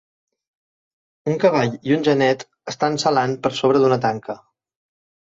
Un cavall i un genet estan salant per sobre d'una tanca.